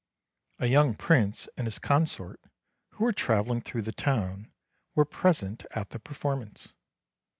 A young prince and his consort, who were travelling through the town, were present at the performance.